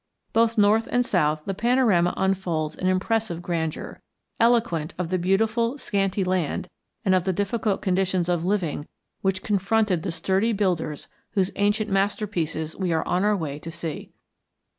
Both north and south the panorama unfolds in impressive grandeur, eloquent of the beautiful scanty land and of the difficult conditions of living which confronted the sturdy builders whose ancient masterpieces we are on our way to see.